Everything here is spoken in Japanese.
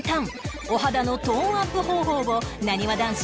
お肌のトーンアップ方法をなにわ男子